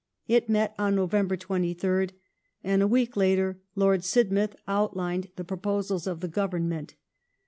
It met on November 23rd, and a week later Lord Sidmouth outlined the proposals of the Government.